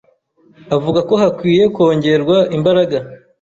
avuga ko hakwiye kongerwa imbaraga